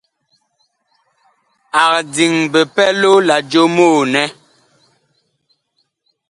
Ag diŋɛ bipɛlo la jomoo nɛ.